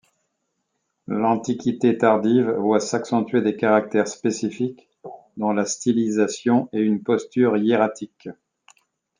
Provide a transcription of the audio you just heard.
L'Antiquité tardive voit s'accentuer des caractères spécifiques, dont la stylisation et une posture hiératique.